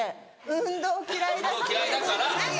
運動嫌いだから。